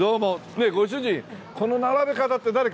ねえご主人この並べ方って誰考えたの？